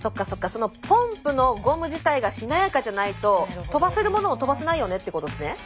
そのポンプのゴム自体がしなやかじゃないと飛ばせるものも飛ばせないよねってことですね？